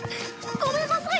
ごめんなさい！